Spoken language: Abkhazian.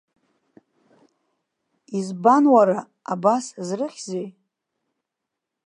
Избан уара, абас зрыхьзеи.